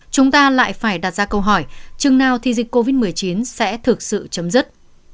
chúng ta lại phải đặt ra câu hỏi chừng nào thì dịch covid một mươi chín sẽ thực sự chấm dứt